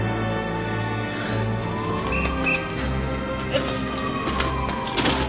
よし！